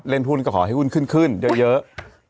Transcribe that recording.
เล่นหุ้นก็ขอให้หุ้นขึ้นเยอะ